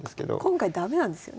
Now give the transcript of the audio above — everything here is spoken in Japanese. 今回駄目なんですよね。